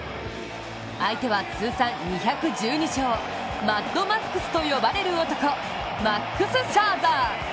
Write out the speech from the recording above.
相手は通算２１２勝マッドマックスと呼ばれる男、マックス・シャーザー。